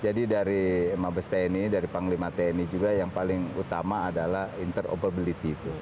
jadi dari mabes tni dari panglima tni juga yang paling utama adalah interoperability itu